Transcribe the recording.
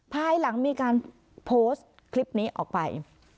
ภายหลังมีการโพสต์คลิปนี้ออกไป